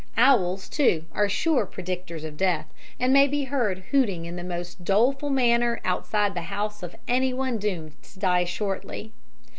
Owls, too, are sure predictors of death, and may be heard hooting in the most doleful manner outside the house of anyone doomed to die shortly.